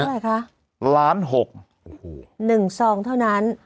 ๑ซองเท่านั้น